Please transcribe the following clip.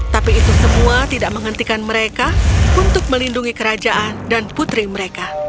tapi itu semua tidak menghentikan mereka untuk melindungi kerajaan dan putri mereka